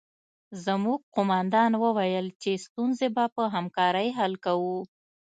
زموږ قومندان وویل چې ستونزې به په همکارۍ حل کوو